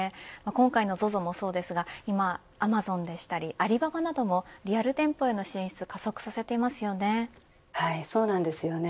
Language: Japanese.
今回のＺＯＺＯもそうですが今、アマゾンでしたりアリババなどもリアル店舗への進出を加速させてますよね。